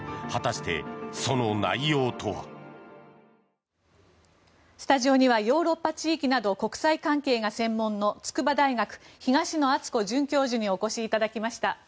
果たして、その内容とは。スタジオにはヨーロッパ地域など国際関係が専門の筑波大学、東野篤子准教授にお越しいただきました。